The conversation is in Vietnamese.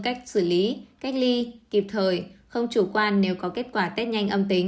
cách xử lý cách ly kịp thời không chủ quan nếu có kết quả tết nhanh âm tính